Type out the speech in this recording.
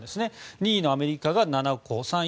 ２位のアメリカが７個３位